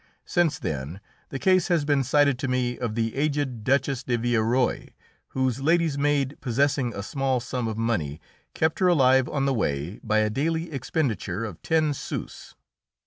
Since then the case has been cited to me of the aged Duchess de Villeroi, whose lady's maid, possessing a small sum of money, kept her alive on the way by a daily expenditure of ten sous.